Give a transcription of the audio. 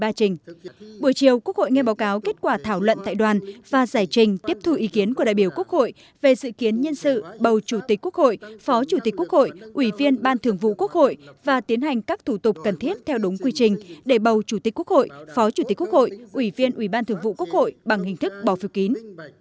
trong phiên buổi sáng ủy ban thường vụ quốc hội khóa một mươi ba báo cáo kết quả thảo luận tại đoàn và giải trình tiếp thù ý kiến của đại biểu quốc hội về dự kiến nhân sự bầu chủ tịch quốc hội phó chủ tịch quốc hội ủy viên ủy ban thường vụ quốc hội và tiến hành các thủ tục cần thiết theo đúng quy trình để bầu chủ tịch quốc hội phó chủ tịch quốc hội ủy viên ủy ban thường vụ quốc hội bằng hình thức bỏ phiêu kín